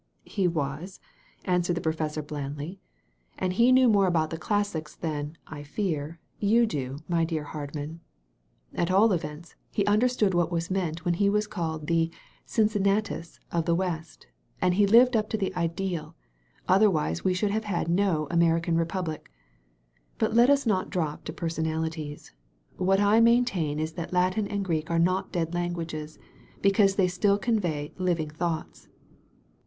"He was," answered the professor blandly, "and 200 A CLASSIC INSTANCE he knew more about the classics than, I fear, you do, my dear Hardman. At aU events, he under stood what was meant when he was called *the Cmcinnatus of the West* — ^and he lived up to the ideal, otherwise we should have had no American Republic. "But let us not drop to personalities. What I maintain is that Latin and Greek are not dead languages, because they still convey living thoughts.